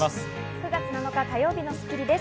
９月７日、火曜日の『スッキリ』です。